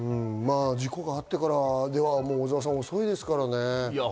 事故があってからでは遅いですからね。